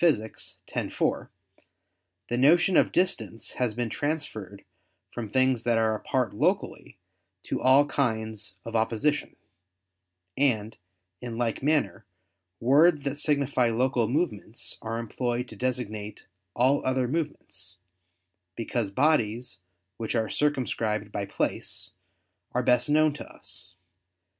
_ x, 4, "the notion of distance has been transferred from things that are apart locally, to all kinds of opposition": and in like manner words that signify local movement are employed to designate all other movements, because bodies which are circumscribed by place, are best known to us.